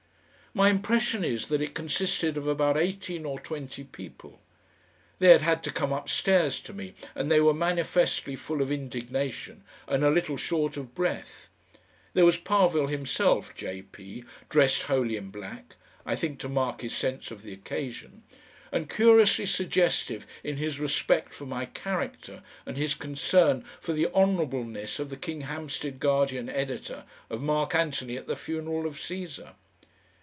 My impression is that it consisted of about eighteen or twenty people. They had had to come upstairs to me and they were manifestly full of indignation and a little short of breath. There was Parvill himself, J.P., dressed wholly in black I think to mark his sense of the occasion and curiously suggestive in his respect for my character and his concern for the honourableness of the KINGHAMPSTEAD GUARDIAN editor, of Mark Antony at the funeral of Cesar.